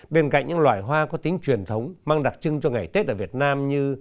bên cạnh những loài hoa có tính truyền thống mang đặc trưng cho ngày tết ở việt nam như